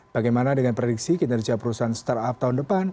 bagaimana dengan prediksi kinerja perusahaan startup tahun depan